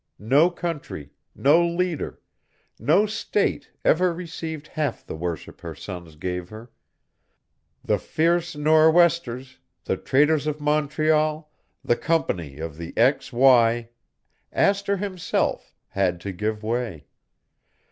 No country, no leader, no State ever received half the worship her sons gave her. The fierce Nor'westers, the traders of Montreal, the Company of the X Y, Astor himself, had to give way.